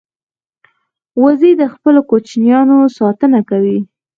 وزې د خپلو کوچنیانو ساتنه کوي